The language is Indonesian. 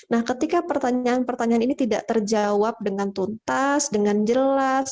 nah ketika pertanyaan pertanyaan ini tidak terjawab dengan tuntas dengan jelas